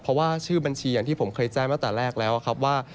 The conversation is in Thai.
เพราะว่าชื่อบัญชีอย่างที่ผมเคยแจ้งมาตั้งแต่แรกแล้วครับว่า